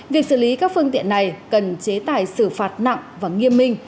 việc xử lý các phương tiện này cần chế tài xử phạt nặng và nghiêm minh